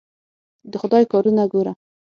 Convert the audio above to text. د خدای کارونه ګوره.